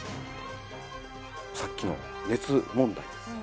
さっきの熱問題です。